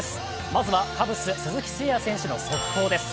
まずはカブス・鈴木誠也選手の速報です。